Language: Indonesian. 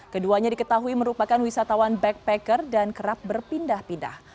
keduanya diketahui merupakan wisatawan backpacker dan kerap berpindah pindah